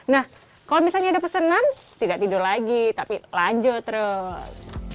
nah kalau misalnya ada pesanan tidak tidur lagi tapi lanjut terus